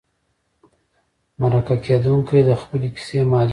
مرکه کېدونکی د خپلې کیسې مالک دی.